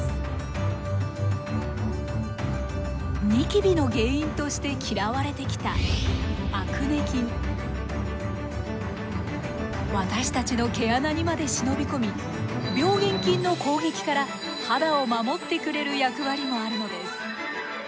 ニキビの原因として嫌われてきた私たちの毛穴にまで忍び込み病原菌の攻撃から肌を守ってくれる役割もあるのです。